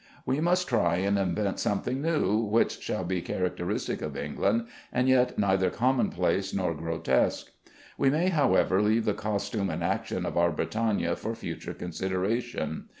We must try and invent something new, which shall be characteristic of England, and yet neither commonplace nor grotesque. We may, however, leave the costume and action of our Britannia for future consideration.